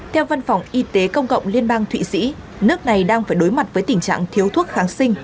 theo văn phòng y tế công cộng liên bang thụy sĩ nước này đang phải đối mặt với tình trạng thiếu thuốc kháng sinh